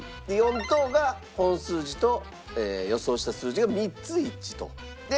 ４等が本数字と予想した数字が３つ一致と。